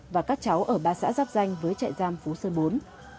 và các cháu ở ba xã giáp danh với trại giam phú sơn bốn